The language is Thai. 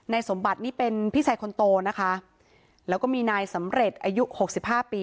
สมบัตินี่เป็นพี่ชายคนโตนะคะแล้วก็มีนายสำเร็จอายุหกสิบห้าปี